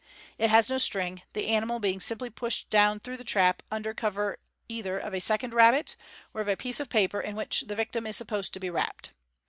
It has no string, the animal being simply pushed down through the trap under cover either of a second rabbit, or of a piece of paper in which the victim is supposed to be wrapped.